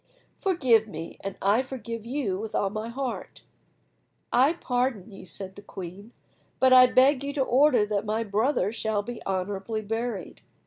Forgive me, and I forgive you with all my heart." "I pardon you," said the queen, "but I beg you to order that my brother shall be honourably buried."